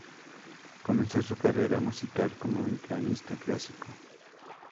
Comenzó su carrera musical como un pianista clásico.